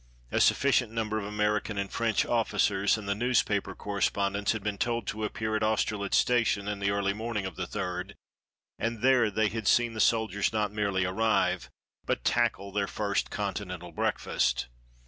A sufficient number of American and French officers and the newspaper correspondents had been told to appear at Austerlitz Station in the early morning of the 3d, and there they had seen the soldiers not merely arrive but tackle their first continental breakfast.